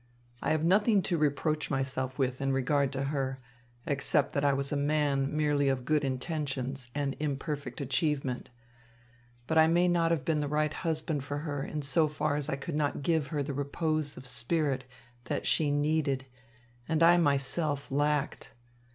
I have nothing to reproach myself with in regard to her, except that I was a man merely of good intentions and imperfect achievement. But I may not have been the right husband for her in so far as I could not give her the repose of spirit that she needed and I myself lacked.